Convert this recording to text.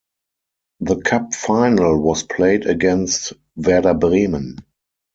The cup final was played against Werder Bremen.